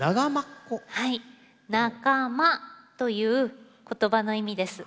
「仲間」という言葉の意味です。